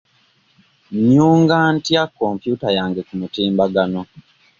Nnyunga ntya kompyuta yange ku mutimbagano?